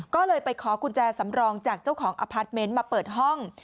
ก็เลยไปขอกุญแจสำรองจากเจ้าของอพาร์ทเมนต์มาเปิดห้อง